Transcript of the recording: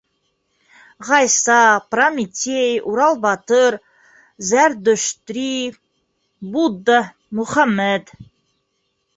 Ғайса, Прометей, Урал батыр, Зәрдөштри, Будда, Мөхәммәт...